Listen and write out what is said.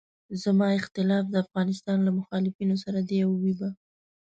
زما اختلاف د افغانستان له مخالفینو سره دی او وي به.